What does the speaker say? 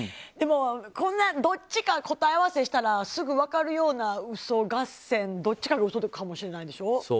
でも、こんなどっちか答え合わせをしたらすぐ分かるような嘘合戦、どっちかが嘘かもしれないでしょ。